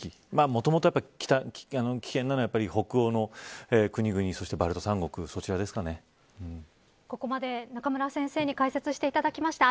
もともと危険なのは北欧の国々そしてバルト３国ここまで中村先生に解説していただきました。